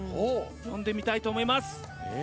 呼んでみたいと思います。